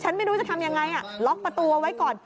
ไม่รู้จะทำยังไงล็อกประตูเอาไว้ก่อน